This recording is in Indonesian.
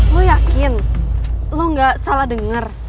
lo yakin lo gak salah dengar